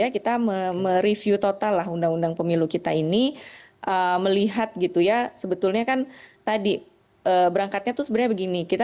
kita mereview total undang undang pemilu kita ini melihat sebetulnya kan tadi berangkatnya itu sebenarnya begini